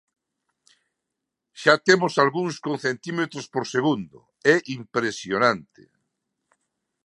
Xa temos algúns con centímetros por segundo, é impresionante.